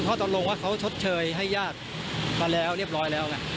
พอคอร์ตรงว่าต้องชดเชยให้ญาติกันแล้วเรียบร้อยแล้ว